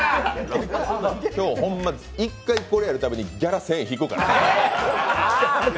今日、ほんま一回これやるたびにギャラ１０００円引くから。